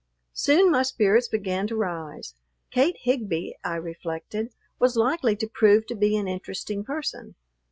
Soon my spirits began to rise. Kate Higbee, I reflected, was likely to prove to be an interesting person.